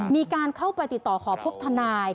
มีการเข้าไปติดต่อขอพบทนาย